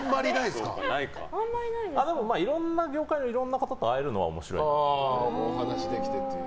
いろんな業界のいろんな方と会えるのは面白いと思います。